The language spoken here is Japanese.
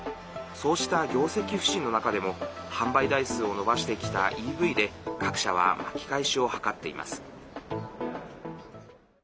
そうした業績不振の中でも販売台数を伸ばしてきたＥＶで各社は巻き返しを図っています。